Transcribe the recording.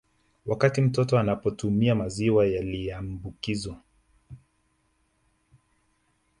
Wakati mtoto anapotumia maziwa yaliambukizwa